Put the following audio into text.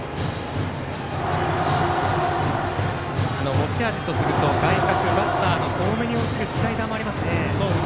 持ち味とすると外角バッターの遠めに落ちるスライダーもありますね。